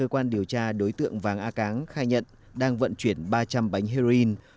quan điều tra đối tượng vàng a cáng khai nhận đang vận chuyển ba trăm linh bánh heroin